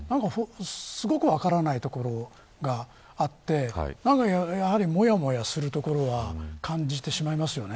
すごく分からないところがあってもやもやするところは感じてしまいますよね。